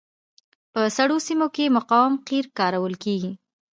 په سړو سیمو کې مقاوم قیر کارول کیږي